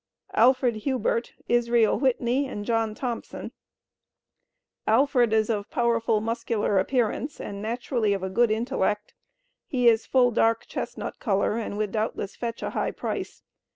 Alfred Hubert, Israel Whitney and John Thompson. Alfred is of powerful muscular appearance and naturally of a good intellect. He is full dark chestnut color, and would doubtless fetch a high price.